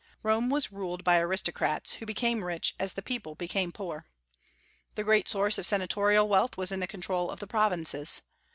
Rome was ruled by aristocrats, who became rich as the people became poor. The great source of senatorial wealth was in the control of the provinces.